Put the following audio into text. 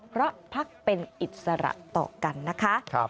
เพราะพักเป็นอิสระต่อกันนะคะ